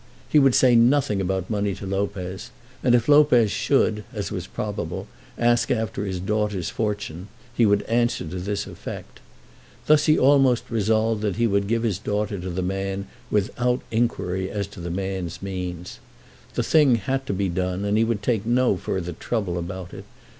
He would say nothing about money to Lopez, and if Lopez should, as was probable, ask after his daughter's fortune, he would answer to this effect. Thus he almost resolved that he would give his daughter to the man without any inquiry as to the man's means. The thing had to be done, and he would take no further trouble about it.